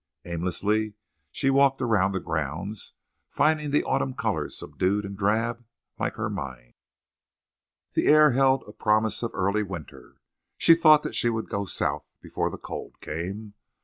Aimlessly she walked around the grounds, finding the autumn colors subdued and drab, like her mind. The air held a promise of early winter. She thought that she would go South before the cold came.